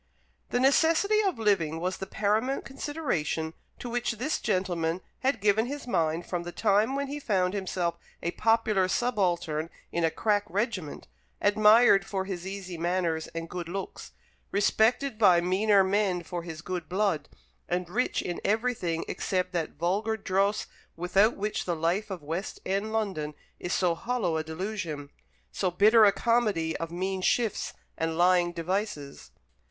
The necessity of living was the paramount consideration to which this gentleman had given his mind from the time when he found himself a popular subaltern in a crack regiment, admired for his easy manners and good looks, respected by meaner men for his good blood, and rich in everything except that vulgar dross without which the life of West end London is so hollow a delusion, so bitter a comedy of mean shifts and lying devices.